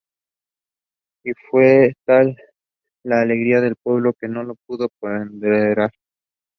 These pensions were not alway paid.